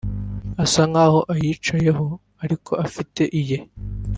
Asa nkaho ayicayeho ariko afite iye